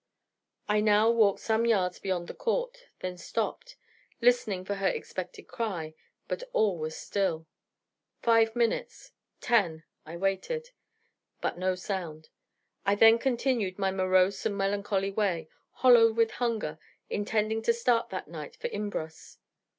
I now walked some yards beyond the court, then stopped, listening for her expected cry: but all was still: five minutes ten I waited: but no sound. I then continued my morose and melancholy way, hollow with hunger, intending to start that night for Imbros.